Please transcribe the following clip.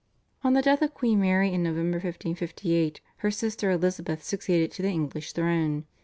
" On the death of Queen Mary in November 1558, her sister Elizabeth succeeded to the English throne.